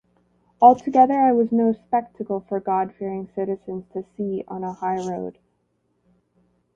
Altogether I was no spectacle for God-fearing citizens to see on a highroad.